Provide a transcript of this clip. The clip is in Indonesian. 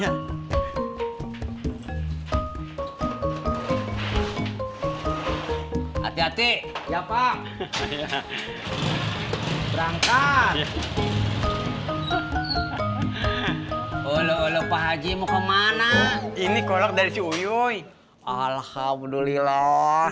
hati hati jepang rangka ulu ulu pak haji mau kemana ini kalau dari siuyuy alhamdulillah